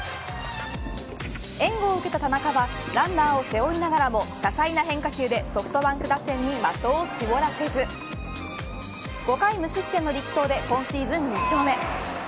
援護を受けた田中はランナーを背負いながらも多彩な変化球でソフトバンク打線に的を絞らせず５回無失点の力投で今シーズン２勝目。